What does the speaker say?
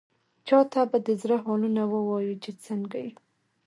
چا ته به د زړه حالونه ووايو، چې څنګه يو؟!